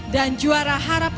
dan juara harapan satu